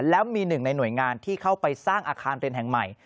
แล้วมีหนึ่งในหน่วยงานที่เข้าไปสร้างอาคารเรียนแห่งใหม่